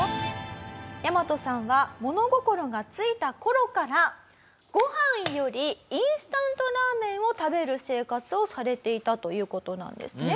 ヤマトさんは物心がついた頃からご飯よりインスタントラーメンを食べる生活をされていたという事なんですね。